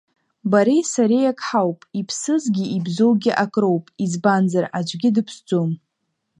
Бареи сареиак ҳауп, иԥсызгьы ибзоугьы ак роуп, избанзар, аӡәгьы дыԥсӡом.